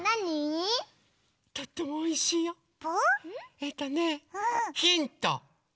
えっとねヒント！